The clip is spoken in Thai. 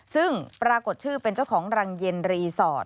ซึ่งปรากฏชื่อเป็นเจ้าของรังเย็นรีสอร์ท